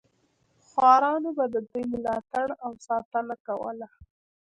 خوارانو به د دوی ملاتړ او ساتنه کوله.